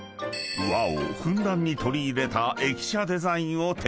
［和をふんだんに取り入れた駅舎デザインを提案］